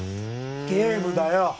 ゲームだよ